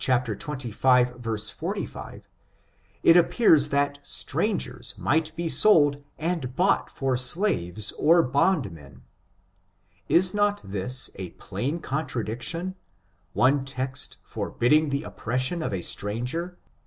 XXV, 45, it appears that strangers might be sold and bought for slaves or bondmen; is not this a plain contradiction, one text forbidding the oppression of a stranger?